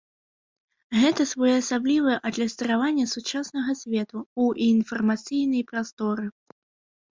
Гэта своеасаблівае адлюстраванне сучаснага свету ў інфармацыйнай прасторы.